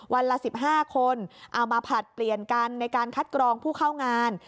วันละ๑๕คนเอามาผลัดเปลี่ยนกันในการคัดกรองผู้เข้างาน